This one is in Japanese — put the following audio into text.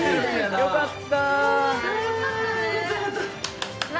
よかった！